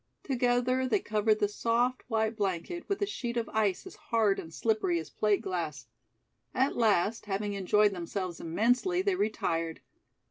Together they covered the soft, white blanket with a sheet of ice as hard and slippery as plate glass. At last, having enjoyed themselves immensely, they retired.